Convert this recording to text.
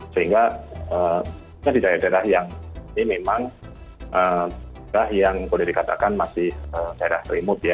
sehingga di daerah daerah yang ini memang daerah yang boleh dikatakan masih daerah remote ya